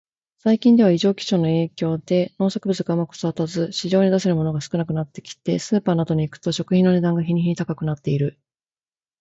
最近では、異常気象の影響で農作物がうまく育たず、市場に出せるものが少なくなってきて、スーパーなどに行くと食品の値段が日に日に高くなっている。